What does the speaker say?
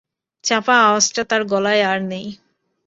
চাপা আওয়াজটা তার গলায় আর নেই।